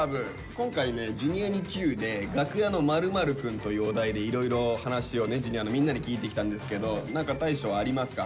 今回ね「Ｊｒ．にＱ」で「楽屋の○○くん」というお題でいろいろ話をねＪｒ．のみんなに聞いてきたんですけど何か大昇ありますか？